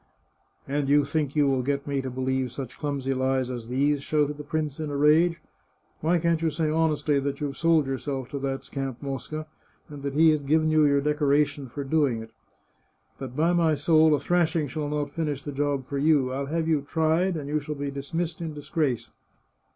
" And you think you will get me to believe such clumsy lies as these !" shouted the prince, in a rage. " Why can't you say honestly that you've sold yourself to that scamp Mosca, and that he has given you your decoration for doing it ? But, by my soul, a thrashing shall not finish the job for you. I'll have you tried, and you shall be dismissed in dis grace."